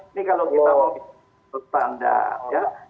ini kalau kita mau double standard ya